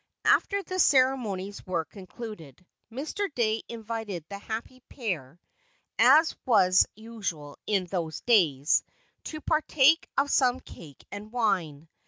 After the ceremonies were concluded, Mr. Dey invited the happy pair (as was usual in those days) to partake of some cake and wine.